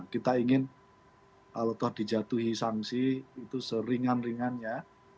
kita ingin kalau dijatuhi sanksi itu seringan ringannya